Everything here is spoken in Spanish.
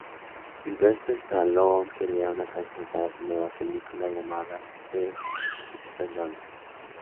Sylvester Stallone quería una canción para su nueva película, llamada The Expendables.